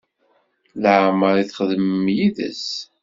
Leɛmeṛ i txedmem yid-s?